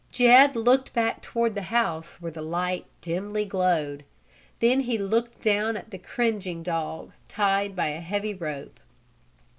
Jed looked back toward the house where the light dimly glowed. Then he looked down at the cringing dog, tied by a heavy rope.